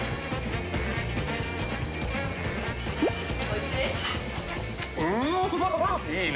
おいしい？